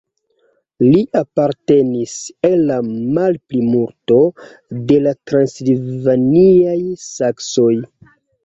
Li apartenis al la malplimulto de la transilvaniaj saksoj.